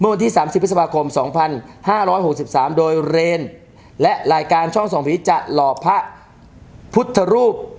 เมื่อวันที่สามสิบพฤษภาคมสองพันห้าร้อยหกสิบสามโดยเรนและรายการช่องส่องผีจัดหลอบพระพุทธรูป